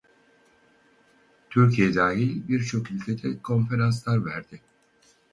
Türkiye dahil birçok ülkede konferanslar verdi.